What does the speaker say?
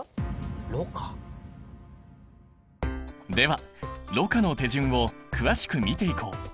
ではろ過の手順を詳しく見ていこう。